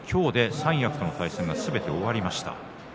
三役との対戦が全部終わりました。